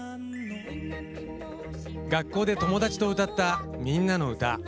学校で友達と歌った「みんなのうた」。